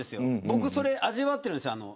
僕、それ味わっているんですよ。